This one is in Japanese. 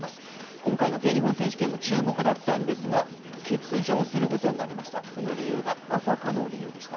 今回の全日本選手権も注目だったんですが、欠場することになりました。